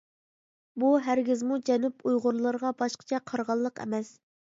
بۇ ھەرگىزمۇ جەنۇب ئۇيغۇرلىرىغا باشقىچە قارىغانلىق ئەمەس.